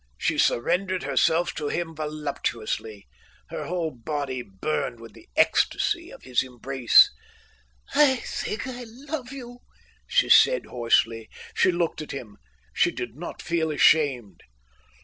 She surrendered herself to him voluptuously. Her whole body burned with the ecstasy of his embrace. "I think I love you," she said, hoarsely. She looked at him. She did not feel ashamed.